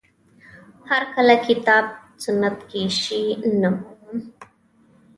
هر کله کتاب سنت کې شی نه مومم